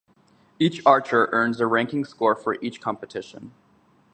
Each archer earns a ranking score for each competition.